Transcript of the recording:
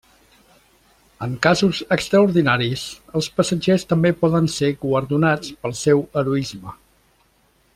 En casos extraordinaris, els passatgers també poden ser guardonats pel seu heroisme.